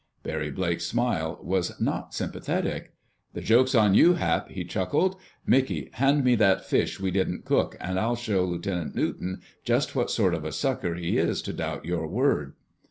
Barry Blake's smile was not sympathetic. "The joke's on you, Hap!" he chuckled. "Mickey, hand me that fish we didn't cook, and I'll show Lieutenant Newton just what sort of a sucker he is to doubt your word."